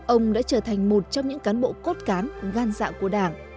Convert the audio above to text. ông đã trở thành một trong những cán bộ cốt cán gan dạ của đảng